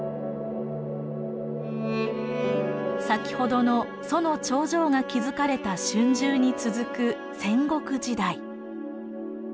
先ほどの楚の長城が築かれた春秋に続く戦国時代。